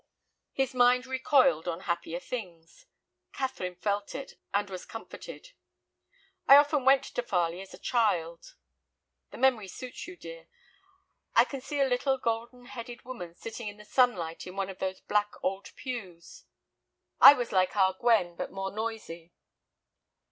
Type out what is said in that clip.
His mind recoiled on happier things. Catherine felt it, and was comforted. "I often went to Farley as a child." "The memory suits you, dear. I can see a little, golden headed woman sitting in the sunlight in one of those black old pews." "I was like our Gwen, but more noisy."